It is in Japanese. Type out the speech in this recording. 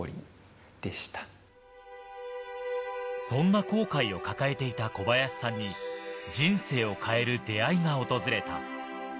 そんな後悔を抱えていた小林さんに人生を変える出会いが訪れた。